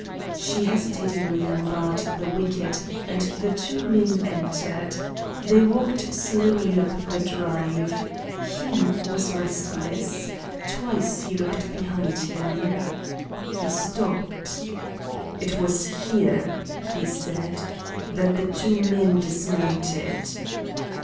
She hesitatingly unbarred the wicket, and the two men entered. They walked slowly up the drive. Hume was restless. Twice he looked behind him. He stopped. "It was here," he said, "that the two men dismounted."